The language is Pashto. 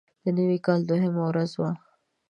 د نوي کال دوهمه ورځ وه.